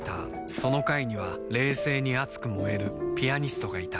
その階には冷静に熱く燃えるピアニストがいた